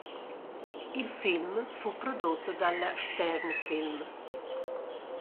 Il film fu prodotto dalla Stern-Film.